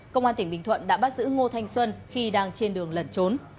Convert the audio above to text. công an tỉnh bình thuận đã bắt giữ ngô thanh xuân khi đang trên đường lẩn trốn